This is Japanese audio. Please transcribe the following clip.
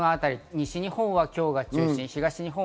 東日本は明日が中心。